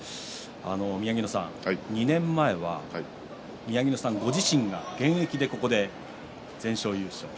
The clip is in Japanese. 宮城野さん、２年前は宮城野さんご自身が現役でここで全勝優勝。